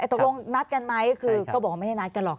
ตกลงนัดกันไหมคือก็บอกว่าไม่ได้นัดกันหรอก